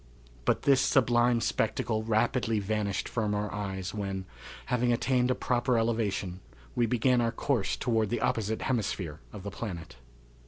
But this sublime spectacle rapidly vanished from our eyes when, having attained a proper elevation, we began our course toward the opposite hemisphere of the planet.